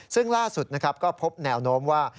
ซึ่งล่าสุดก็พบแนวโน้มว่า